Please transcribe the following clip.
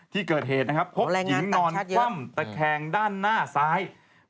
ที่เกิดเหตุนะครับพบหญิงนอนคว่ำตะแคงด้านหน้าซ้าย